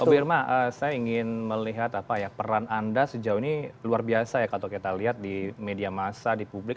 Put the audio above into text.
pak birma saya ingin melihat peran anda sejauh ini luar biasa ya kalau kita lihat di media masa di publik